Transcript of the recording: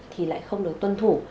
thì lại không được tuân thủ